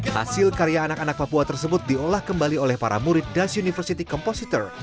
hasil karya anak anak papua tersebut diolah kembali oleh para murid dash university compositor